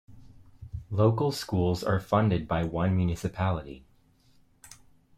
Local schools are funded by one municipality.